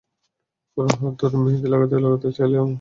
পুরো হাত ভরে মেহেদি লাগাতে চাইলে আবার নকশার ধরন ভিন্ন হতে পারে।